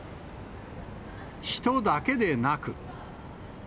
人だけでなく。